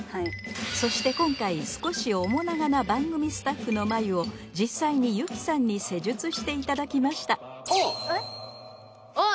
そして今回少し面長な番組スタッフの眉を実際にゆきさんに施術していただきましたあっ